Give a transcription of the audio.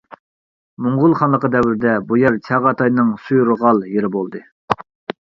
موڭغۇل خانلىقى دەۋرىدە، بۇ يەر چاغاتاينىڭ سۇيۇرغال يېرى بولدى.